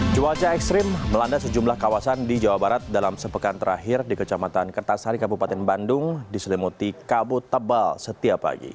cuaca ekstrim melanda sejumlah kawasan di jawa barat dalam sepekan terakhir di kecamatan kertasari kabupaten bandung diselimuti kabut tebal setiap pagi